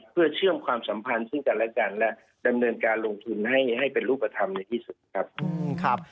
เพื่อเชื่อมความสัมพันธ์ซึ่งกันและกันและดำเนินการลงทุนให้เป็นรูปธรรมในที่สุดครับ